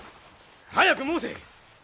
早く申せ！